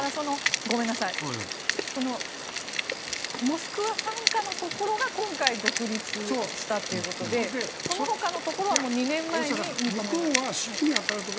モスクワ傘下のところが今回独立したということでそのほかのところは２年前に認められたと。